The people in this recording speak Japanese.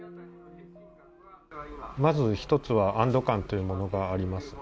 まず１つは、安堵感というものがあります。